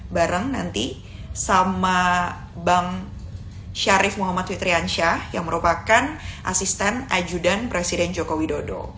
bareng nanti sama bang syarif muhammad fitriansyah yang merupakan asisten ajudan presiden joko widodo